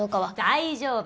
大丈夫。